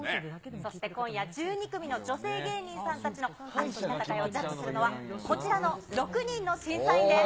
そして今夜、１２組の女性芸人さんたちの熱き戦いをジャッジするのは、こちらの６人の審査員です。